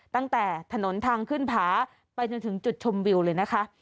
ตั้งแต่ถนนทางขึ้นผาไปจนถึงจุดชมวิวเลยนะคะ